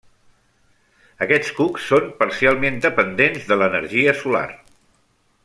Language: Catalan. Aquests cucs són parcialment dependents de l'energia solar.